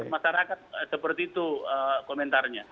masyarakat seperti itu komentarnya